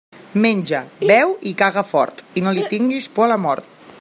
Menja, beu i caga fort, i no li tingues por a la mort.